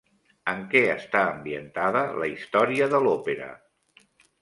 En què està ambientada la història de l'òpera?